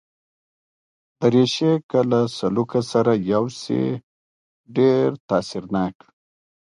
دریشي که له سلوکه سره یوسې، ډېر تاثیرناک وي.